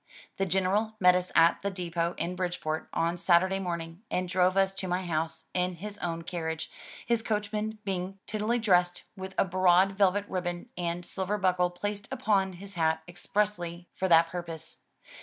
The General met us at the depot in Bridgeport, on Saturday morning, and drove us to my house in his own carriage — his coachman being tidily dressed with a broad velvet ribbon and silver buckle placed upon his hat expressly for the purpose.